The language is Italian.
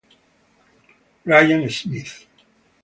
Ryan Smith